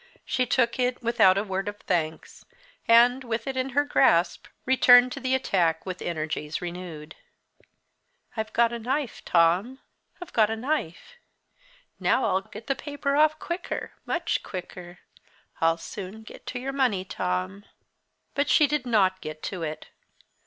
She took it without a word of thanks, and, with it in her grasp, returned to the attack with energies renewed. "I've got a knife, Tom, I've got a knife. Now I'll get the paper off quicker much quicker. I'll soon get to your money, Tom." But she did not get to it.